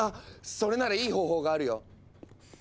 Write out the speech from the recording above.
それならいい方法があるよ。